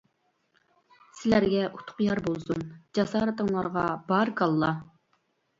سىلەرگە ئۇتۇق يار بولسۇن، جاسارىتىڭلارغا بارىكاللا!